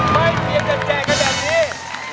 ไม่เกียรติแดดแดดอย่างนี้